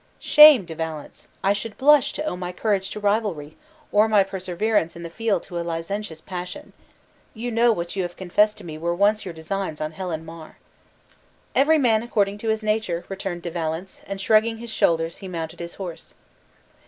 "Shame, De Valence! I should blush to owe my courage to rivalry, or my perseverance in the field to a licentious passion! You know what you have confessed to me were once your designs on Helen Mar." "Every man according to his nature!" returned De Valence; and shrugging his shoulders, he mounted his horse.